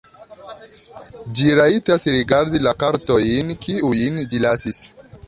Ĝi rajtas rigardi la kartojn, kiujn ĝi lasis.